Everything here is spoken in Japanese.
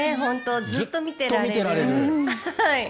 ずっと見てられる。